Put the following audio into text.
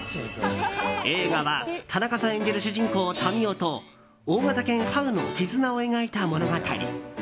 映画は田中さん演じる主人公・民夫と大型犬ハウの絆を描いた物語。